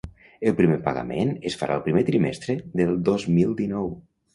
El primer pagament es farà el primer trimestre del dos mil dinou.